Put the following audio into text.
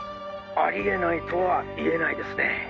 あり得ないとは言えないですね。